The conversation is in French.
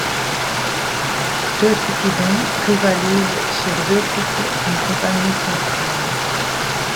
Deux cupidons rivalisent sur deux couples d'une compagnie théâtrale.